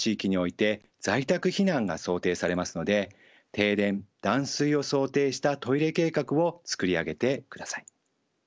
在宅避難が想定されますので停電断水を想定したトイレ計画を作り上げてください。